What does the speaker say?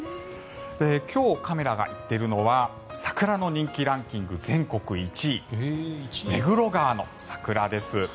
今日、カメラが行っているのは桜の人気ランキング全国１位目黒川の桜です。